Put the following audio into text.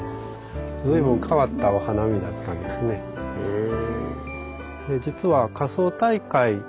へえ。